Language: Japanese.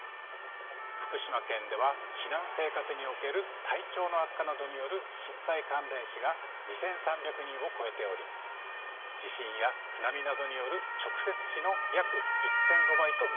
福島県では避難生活における体調の悪化などによる震災関連死が２，３００人を超えており地震や津波などによる直接死の約１．５倍となっています。